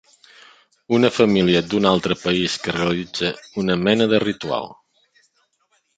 Una família d'un altre país que realitza una mena de ritual.